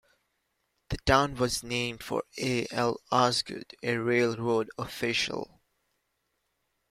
The town was named for A. L. Osgood, a railroad official.